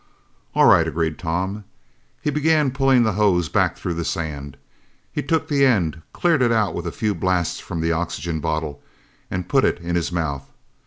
"All right," agreed Tom. He began pulling the hose back through the sand. He took the end, cleared it out with a few blasts from the oxygen bottle and put it in his mouth.